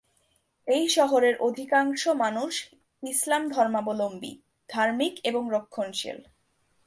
এই শহরের অধিকাংশ মানুষ ইসলাম ধর্মাবলম্বী, ধার্মিক এবং রক্ষণশীল।